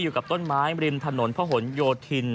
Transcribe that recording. อยู่กับต้นไม้ริมถนนพระหลโยธิน